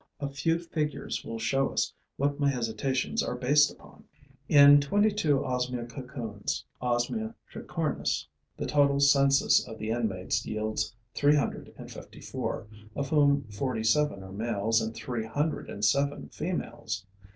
A few figures will show us what my hesitations are based upon. In twenty two Osmia cocoons (Osmia tricornis), the total census of the inmates yields three hundred and fifty four, of whom forty seven are males and three hundred and seven females.